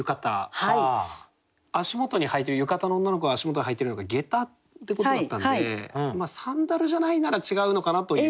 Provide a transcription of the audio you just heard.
浴衣の女の子が足元に履いてるのがげたってことだったのでサンダルじゃないなら違うのかなという。